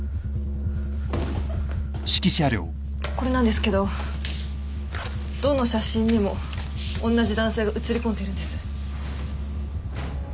これなんですけどどの写真にもおんなじ男性が写りこんでいるんです。